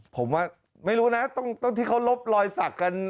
ผมว่าไม่รู้นะตอนที่เขาลบรอยสักกัน